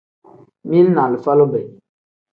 Mili ni alifa lube.